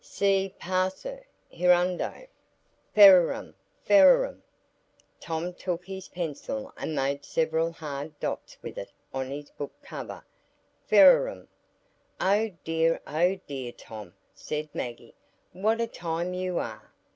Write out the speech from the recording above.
"Ceu passer, hirundo; Ferarum—ferarum——" Tom took his pencil and made several hard dots with it on his book cover—"ferarum——" "Oh dear, oh dear, Tom," said Maggie, "what a time you are!